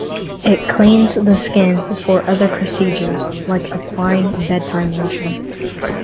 It cleans the skin before other procedures, like applying bedtime lotion.